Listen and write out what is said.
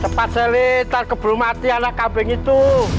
cepat seletar ke belum mati anak kambing itu